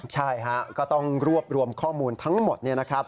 ใช่ฮะก็ต้องรวบรวมข้อมูลทั้งหมดเนี่ยนะครับ